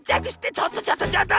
ちょっとちょっとちょっと！